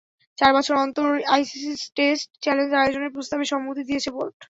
চার বছর অন্তর আইসিসি টেস্ট চ্যালেঞ্জ আয়োজনের প্রস্তাবে সম্মতি দিয়েছে বোর্ড।